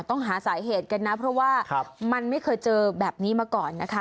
ต้องหาสาเหตุกันนะเพราะว่ามันไม่เคยเจอแบบนี้มาก่อนนะคะ